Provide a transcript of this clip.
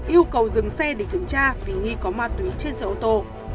yêu cầu dừng xe để kiểm tra vì nghi có ma túy trên xe ô tô